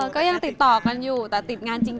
ก็ยังติดต่อกันอยู่แต่ติดงานจริง